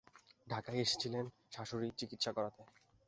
ঢাকায় এসেছিলেন শাশুড়ির চিকিত্সা করাতে।